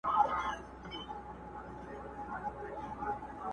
راته ښکاري چي لرمه لا خبري د ویلو!